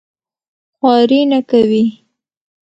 خواري نه کوي.